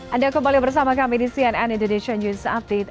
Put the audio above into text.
anda kembali bersama kami di cnn indonesia news update